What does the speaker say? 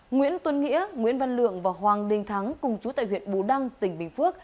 nguyễn tuấn nghĩa nguyễn văn lượng và hoàng đình thắng cùng chú tại huyện bù đăng tỉnh bình phước